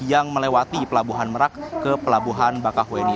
yang melewati pelabuhan merak ke pelabuhan bakahuni